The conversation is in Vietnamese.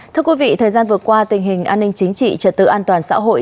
thưa quý vị thời gian vừa qua tình hình an ninh chính trị trật tự an toàn xã hội